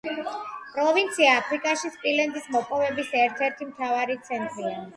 პროვინცია აფრიკაში სპილენძის მოპოვების ერთ-ერთი მთავარი ცენტრია.